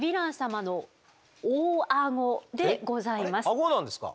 アゴなんですか？